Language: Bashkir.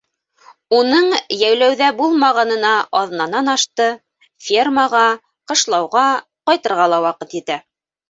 Уның йәйләүҙә булмағанына аҙнанан ашты, фермаға, ҡышлауға, ҡайтырға ла ваҡыт етә.